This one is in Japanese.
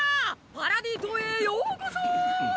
パラディ島へようこそ！！